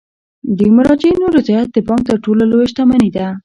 د مراجعینو رضایت د بانک تر ټولو لویه شتمني ده.